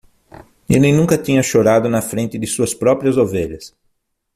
Ele nunca tinha chorado na frente de suas próprias ovelhas.